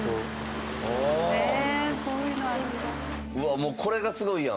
もうこれがすごいやん。